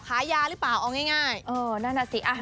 ขายยาหรือเปล่าเอาง่าย